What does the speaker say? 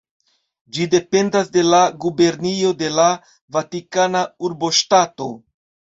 Ĝi dependas de la gubernio de la Vatikana Urboŝtato.